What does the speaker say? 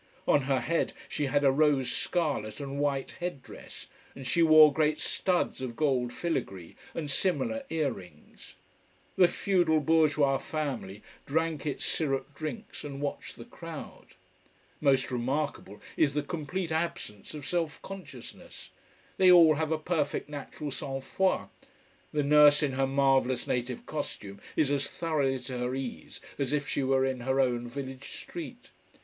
On her head she had a rose scarlet and white head dress, and she wore great studs of gold filigree, and similar ear rings. The feudal bourgeois family drank its syrup drinks and watched the crowd. Most remarkable is the complete absence of self consciousness. They all have a perfect natural "sang froid," the nurse in her marvellous native costume is as thoroughly at her ease as if she were in her own village street.